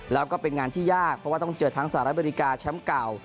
แล้วก็เป็นงานที่ยากเพราะว่าต้องเจอทั้งสหรัฐอเมริกาแชมป์เก่า